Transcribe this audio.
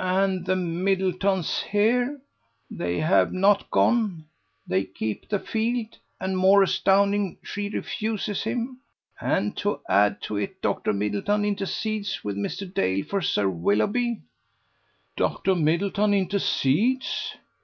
"And the Middletons here? They have not gone; they keep the field. And more astounding, she refuses him. And to add to it, Dr. Middleton intercedes with Mr. Dale for Sir Willoughby." "Dr. Middleton intercedes!"